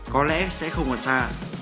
có lẽ sẽ không còn xa